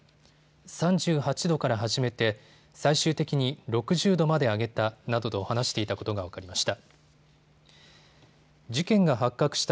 ３８度から始めて最終的に６０度まで上げたなどと話していたことが分かりました。